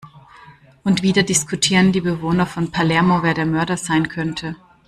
Und wieder diskutieren die Bewohner von Palermo, wer der Mörder sein könnte.